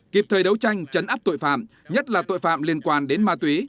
kịp thời đấu tranh chấn áp tội phạm nhất là tội phạm liên quan đến ma túy